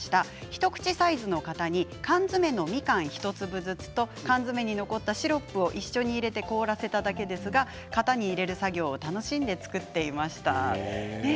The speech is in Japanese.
一口サイズの型に缶詰のみかん１粒ずつと缶詰に残ったシロップに入れて凍らせただけですが型に入れる作業を楽しんで作っていました。